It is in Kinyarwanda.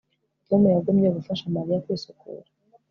Tom yagumye gufasha Mariya kwisukura